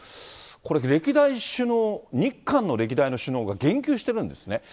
これ、歴代首脳、日韓の歴代の首脳が言及してるんですね。